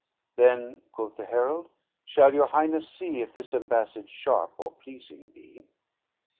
"Then," quoth the herald, "shall your highness see, If this ambassage sharp or pleasing be."